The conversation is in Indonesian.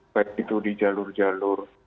baik itu di jalur jalur